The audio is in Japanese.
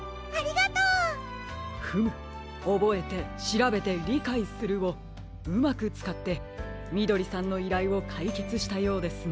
フム「おぼえてしらべてりかいする」をうまくつかってみどりさんのいらいをかいけつしたようですね。